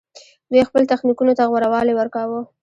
دوی خپل تخنیکونو ته غوره والی ورکاوه